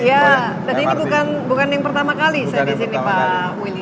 ya dan ini bukan yang pertama kali saya di sini pak willy